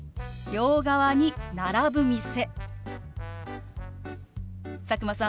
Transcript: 「両側に並ぶ店」。